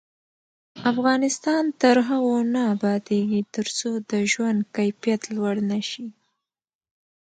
افغانستان تر هغو نه ابادیږي، ترڅو د ژوند کیفیت لوړ نشي.